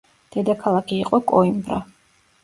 დედაქალაქი იყო კოიმბრა.